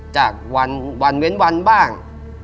จากวันเว้นวันบ้าง